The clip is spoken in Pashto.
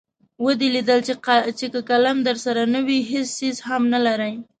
ودې لیدل چې که قلم درسره نه وي هېڅ څیز هم نلرئ.